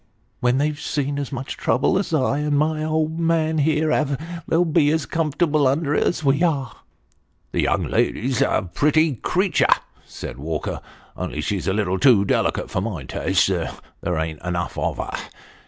" Ah ! when they've seen as much trouble as I and my old man here have, they'll bo as comfortable under it as wo are." " The young lady's a pretty creature," said Walker, only she's a little too delicate for my taste there ain't enough of her.